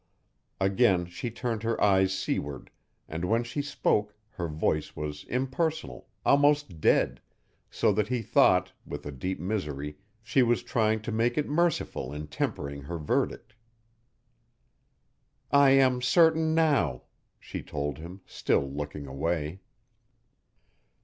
Again she turned her eyes seaward, and when she spoke her voice was impersonal, almost dead, so that he thought, with a deep misery, she was trying to make it merciful in tempering her verdict. "I am certain now," she told him, still looking away.